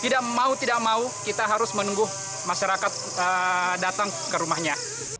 datang ke rumahnya